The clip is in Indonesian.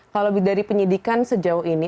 kalau dari penyidikan sejauh ini